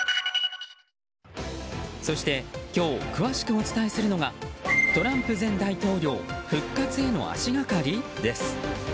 そして、今日詳しくお伝えするのがトランプ前大統領復活への足がかり？です。